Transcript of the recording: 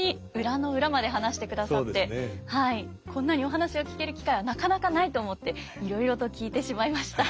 こんなにお話を聞ける機会はなかなかないと思っていろいろと聞いてしまいました。